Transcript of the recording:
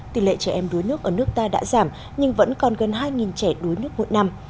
tỷ lệ trẻ em đuối nước ở nước ta đã giảm nhưng vẫn còn gần hai trẻ đuối nước mỗi năm